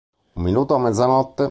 Un minuto a mezzanotte